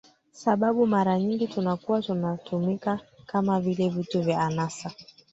sababu mara nyingi tunakuwa tunatumika kama vile vitu vya anasa